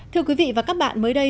thưa quý vị và các bạn mới đây